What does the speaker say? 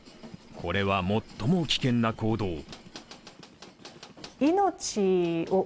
これは最も危険な行動。